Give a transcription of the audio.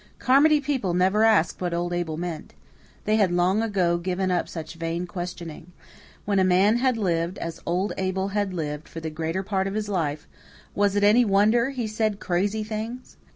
Carmody people never asked what old Abel meant. They had long ago given up such vain questioning. When a man had lived as old Abel had lived for the greater part of his life, was it any wonder he said crazy things?